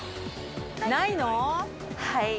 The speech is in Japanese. はい。